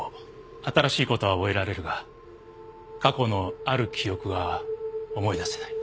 新しいことは覚えられるが過去のある記憶が思い出せない。